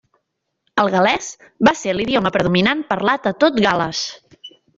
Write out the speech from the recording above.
El gal·lès va ser l'idioma predominant parlat a tot Gal·les.